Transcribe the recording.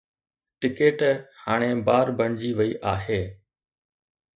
Ticket هاڻي بار بڻجي وئي آهي.